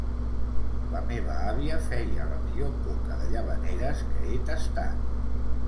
La meva àvia feia la millor coca de Llavaneres que he tastat.